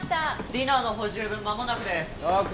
ディナーの補充分まもなくですＯＫ